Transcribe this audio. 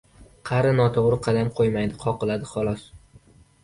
• Qari noto‘g‘ri qadam qo‘ymaydi, qoqiladi xolos.